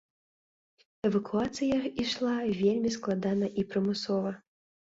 Эвакуацыя ішла вельмі складана і прымусова.